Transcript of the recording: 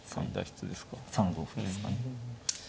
３五歩ですかね。